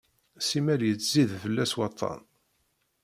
Simmal yettzid fell-as waṭṭan.